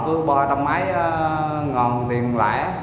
cứ ba trăm linh máy ngon tiền lại